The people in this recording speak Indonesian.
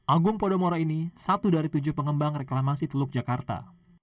agung podomoro ini satu dari tujuh pengembang reklamasi teluk jakarta